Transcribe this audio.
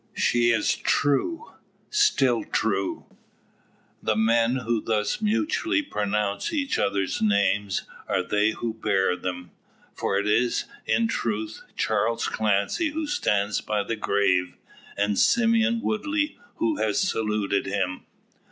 "SHE IS TRUE STILL TRUE!" The men who thus mutually pronounce each other's names are they who bear them. For it is, in truth, Charles Clancy who stands by the grave, and Simeon Woodley who has saluted him.